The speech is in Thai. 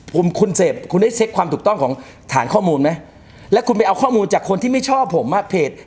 คุณคุณเสพคุณได้เช็คความถูกต้องของฐานข้อมูลไหมแล้วคุณไปเอาข้อมูลจากคนที่ไม่ชอบผมอ่ะเพจ